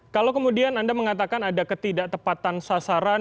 kalau kemudian anda mengatakan ada ketidaktepatan sasaran